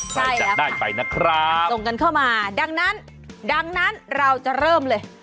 ใช่แล้วค่ะส่งกันเข้ามาดังนั้นเราจะเริ่มเลย